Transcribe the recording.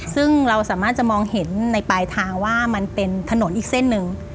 ซึ่งเราสามารถจะมองเห็นในปลายทางว่ามันเป็นถนนอีกเส้นหนึ่ง